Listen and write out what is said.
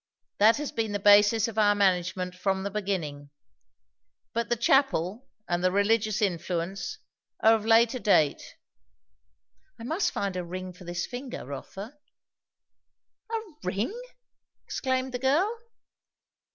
That has been the basis of our management from the beginning. But the chapel, and the religious influence, are of later date. I must find a ring for this finger, Rotha." "A ring!" exclaimed the girl.